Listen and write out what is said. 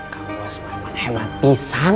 kamu semua emang hematisan